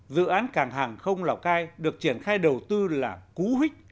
dự án càng hàng không lào cai được triển khai đầu tư là cú huyết